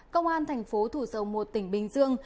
công an thành phố thủ dầu một tỉnh bình dương